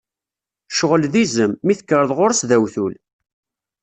Ccɣel d izem, mi tekkreḍ ɣer-s d awtul.